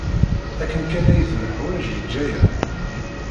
Akken kan ay t-neḥwaj, yejja-aɣ.